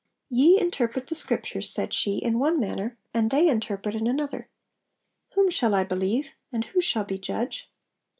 'Ye interpret the Scriptures,' said she, 'in one manner, and they interpret in another; whom shall I believe? and who shall be judge?'